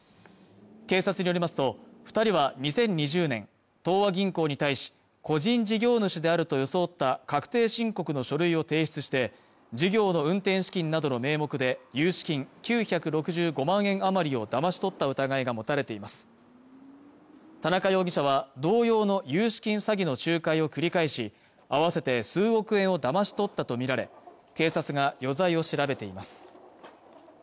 警察によりますと二人は２０２０年東和銀行に対し個人事業主であると装った確定申告の書類を提出して事業の運転資金などの名目で融資金９６５万円余りをだまし取った疑いが持たれています田中容疑者は同様の融資金詐欺の仲介を繰り返し合わせて数億円をだまし取ったとみられ警察が余罪を調べています